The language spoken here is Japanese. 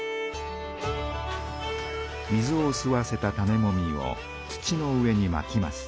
水をすわせた種もみを土の上にまきます。